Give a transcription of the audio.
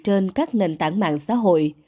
trên các nền tảng mạng xã hội